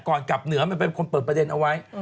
ก่อนกลับเหนือมันเป็นคนเปิดประเด็นเอาไว้